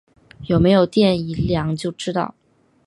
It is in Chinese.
有没有电一量就知道